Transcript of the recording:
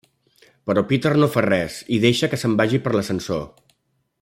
Però Peter no fa res i deixa que se'n vagi per l'ascensor.